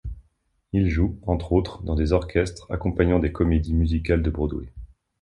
Il joue, entre autres, dans des orchestres accompagnant des comédies musicales de Broadway.